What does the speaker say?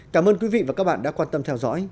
cảm ơn quý vị và các bạn đã quan tâm theo dõi